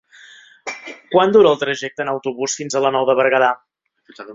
Quant dura el trajecte en autobús fins a la Nou de Berguedà?